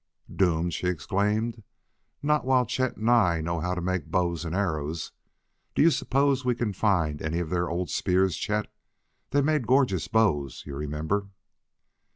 "Doomed?" she exclaimed. "Not while Chet and I know how to make bows and arrows!... Do you suppose we can find any of their old spears, Chet? They made gorgeous bows, you remember."